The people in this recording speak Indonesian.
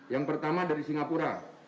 yang pertama dari singapura